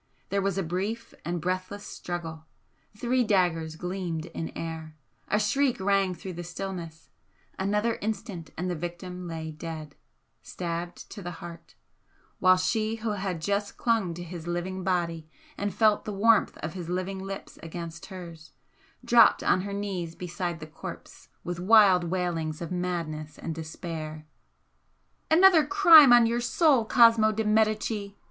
There was a brief and breathless struggle three daggers gleamed in air a shriek rang through the stillness another instant and the victim lay dead, stabbed to the heart, while she who had just clung to his living body and felt the warmth of his living lips against hers, dropped on her knees beside the corpse with wild waitings of madness and despair. "Another crime on your soul, Cosmo de Medicis!"